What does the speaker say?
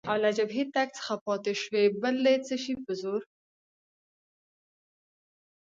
او له جبهې تګ څخه پاتې شوې، بل د څه شي په زور؟